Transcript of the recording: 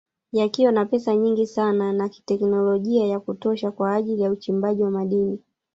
Yakiwa na pesa nyingi sana na teknolojia ya kutosha kwa ajili uchimbaji wa madini